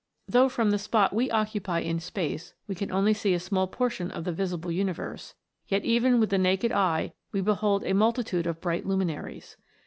Though from the spot we occupy in space we can see only a small portion of the visible universe, yet even with the naked eye we behold a multitude of bright luminaries.